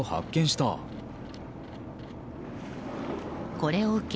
これを受け